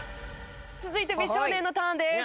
続いて美少年のターンです。